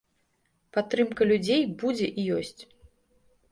Падтрымка людзей будзе і ёсць.